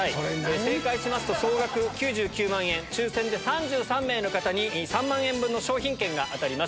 正解しますと、総額９９万円、抽せんで３３名の方に３万円分の商品券が当たります。